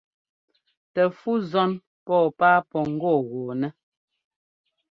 Tɛ fú zɔ́n pɔ́ɔ páa pɔ́ ŋ́gɔ́ɔgɔ́ɔnɛ́.